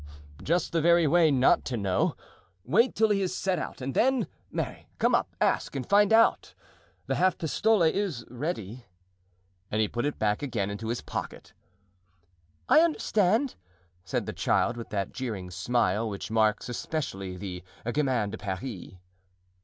"Just the very way not to know. Wait till he is set out and then, marry, come up, ask, and find out. The half pistole is ready," and he put it back again into his pocket. "I understand," said the child, with that jeering smile which marks especially the "gamin de Paris."